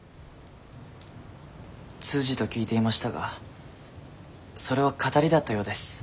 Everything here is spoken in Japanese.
通詞と聞いていましたがそれは騙りだったようです。